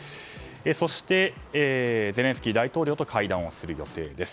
そして、ゼレンスキー大統領と会談をする予定です。